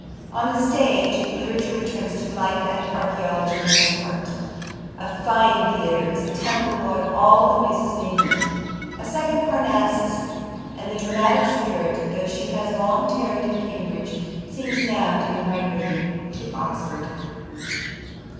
On the stage, literature returns to life and archaeology becomes art. A fine theatre is a temple where all the muses may meet, a second Parnassus, and the dramatic spirit, though she has long tarried at Cambridge, seems now to be migrating to Oxford.